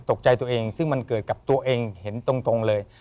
ตัวเองซึ่งมันเกิดกับตัวเองเห็นตรงเลย